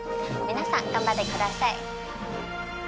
皆さん頑張って下さい。